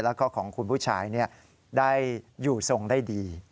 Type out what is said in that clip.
แล้วก็ของคุณผู้ชายได้อยู่ทรงได้ดี